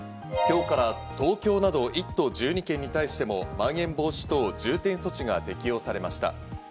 今日から東京など１都１２県に対してもまん延防止等重点措置が適用されました。